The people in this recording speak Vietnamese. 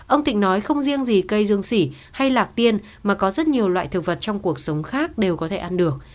ông tịnh nói không riêng gì cây dương sỉ hay lạc tiên mà có rất nhiều loại thực vật trong cuộc sống khác đều có thể ăn được